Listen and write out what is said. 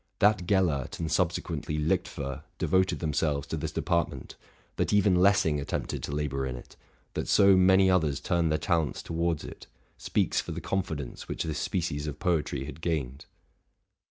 That Gellert and subsequently Lichtwer devoted themselves to this depart ment, that even Lessing attempted to labor in it, that so many others turned their talents towards it, speaks for the confidence which this species of poetry had gained.